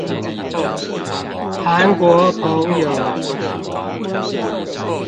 韓國朋友